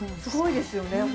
すごいですよね